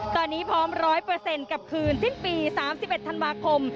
ตอนนี้พร้อม๑๐๐กับคืนสิ้นปี๓๑ธันวาคม